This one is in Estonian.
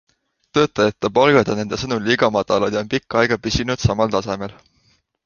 Töötajate palgad on nende sõnul liiga madalad ja on pikka aega püsinud samal tasemel.